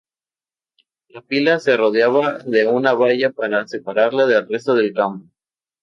La pila se rodeaba de una valla para separarla del resto del campo.